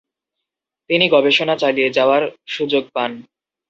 তিনি গবেষণা চালিয়ে যাওয়ার সুযোগ পান।